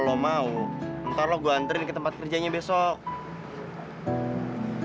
dia yang udah memisahkan kak adhika sama aku